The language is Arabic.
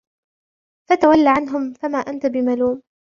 فتول عنهم فما أنت بملوم